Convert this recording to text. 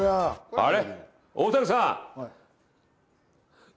あれ？